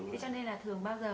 thế cho nên là thường bao giờ